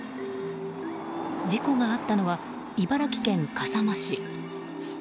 事故があったのは茨城県笠間市。